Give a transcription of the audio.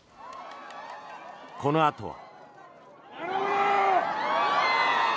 このあとは。